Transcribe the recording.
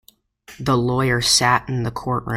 The lawyer sat in the courtroom.